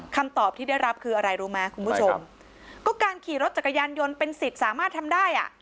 คำตอบที่ได้รับคืออะไรรู้ไหมคุณผู้ชมก็การขี่รถจักรยานยนต์เป็นสิทธิ์สามารถทำได้อ่ะ